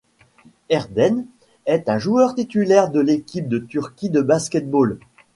Erden est un joueur titulaire de l'équipe de Turquie de basket-ball.